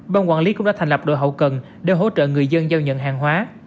ban quản lý cũng đã thành lập đội hậu cần để hỗ trợ người dân giao nhận hàng hóa